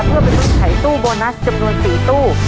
เพื่อขึ้นข่ายตู้บอนัสอย่างเงินจำนวนสี่ตู้